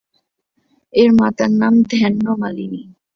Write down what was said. এঁর মাতার নাম ধান্যমালিনী।